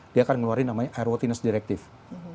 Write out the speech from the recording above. dia akan mengeluarkan namanya airworthiness directive